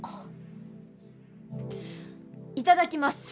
いただきます！